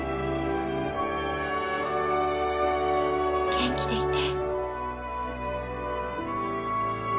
元気でいて。